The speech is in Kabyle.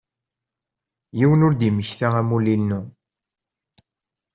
Yiwen ur d-yemmekta amulli-inu.